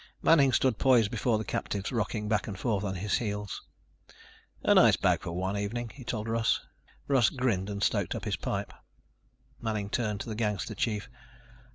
Manning stood poised before the captives, rocking back and forth on his heels. "A nice bag for one evening," he told Russ. Russ grinned and stoked up his pipe. Manning turned to the gangster chief.